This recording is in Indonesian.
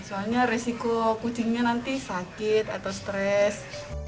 soalnya resiko kucingnya nanti sakit atau stres